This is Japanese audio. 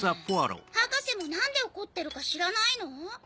博士も何で怒ってるか知らないの？